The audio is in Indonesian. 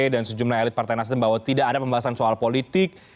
dan sejumlah elit partai nasdem bahwa tidak ada pembahasan soal politik